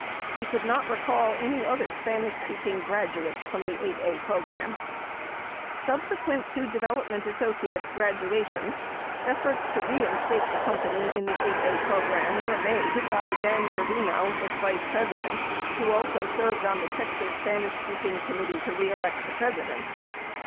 He could not recall any other Spanish speaking "grad uates" from the 8(a) program. 94 Subsequent to Development Associates' "graduation," efforts to re instate the company in the 8(a) program were made by Dan Trevino, its vice president, who also served on the Texas Spanish speaking Committee To Re Elect the President.